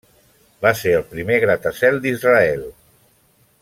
Va ser el primer gratacel d'Israel.